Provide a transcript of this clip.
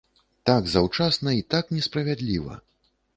Так заўчасна і так несправядліва.